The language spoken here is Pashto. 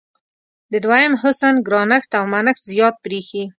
د دویم حسن ګرانښت او منښت زیات برېښي.